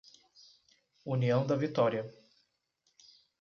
União da Vitória